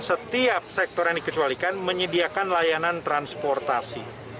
setiap sektor yang dikecualikan menyediakan layanan transportasi